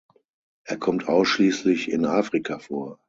Er kommt ausschließlich in Afrika vor.